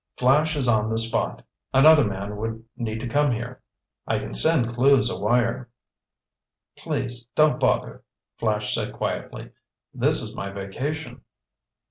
"Flash is on the spot. Another man would need to come here. I can send Clewes a wire." "Please don't bother," Flash said quietly. "This is my vacation."